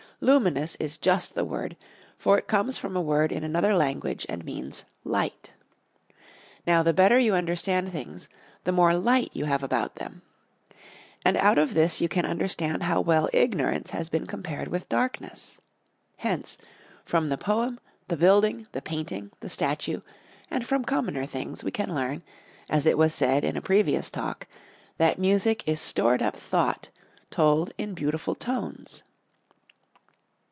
Luminous is just the word, for it comes from a word in another language and means light. Now the better you understand things the more light you have about them. And out of this you can understand how well ignorance has been compared with darkness. Hence, from the poem, the building, the painting, the statue, and from commoner things we can learn, as it was said in a previous Talk, that music is stored up thought told in beautiful tones.